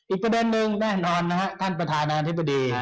อีกประเด็นนึงแน่นอนนะฮะท่านประธานาธิบดี